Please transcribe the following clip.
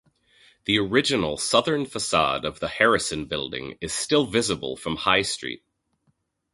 The original southern facade of the Harrison Building is still visible from High Street.